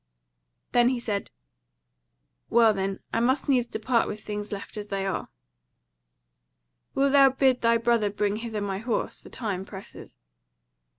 Then he said: "Well then, I must needs depart with things left as they are: wilt thou bid thy brother bring hither my horse, for time presses."